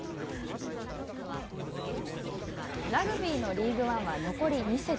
ラグビーのリーグワンは残り２節。